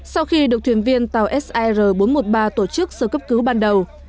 sau khi được thuyền viên tàu sir bốn trăm một mươi ba tổ chức sơ cấp cứu ban đầu